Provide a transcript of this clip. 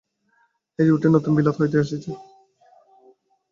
এই যুবকটি নূতন বিলাত হইতে আসিয়াছে।